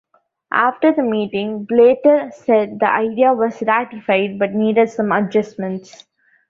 After the meeting, Blatter said the idea was "ratified" but needed some adjustments.